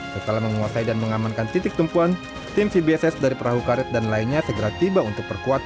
setelah menguasai dan mengamankan titik tempuan tim cbss dari perahu karet dan lainnya segera tiba untuk perkuat